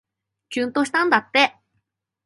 きゅんとしたんだって